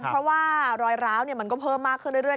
เพราะว่ารอยร้าวมันก็เพิ่มมากขึ้นเรื่อย